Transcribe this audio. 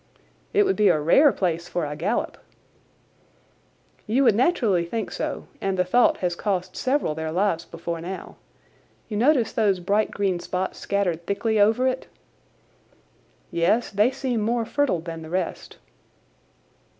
"It would be a rare place for a gallop." "You would naturally think so and the thought has cost several their lives before now. You notice those bright green spots scattered thickly over it?" "Yes, they seem more fertile than the rest."